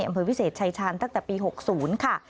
อำเภอวิเศษชายชาญตั้งแต่ปี๖๐ค่ะ